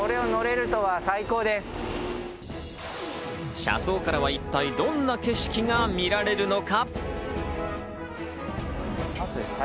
車窓からは一体、どんな景色が見られるのか？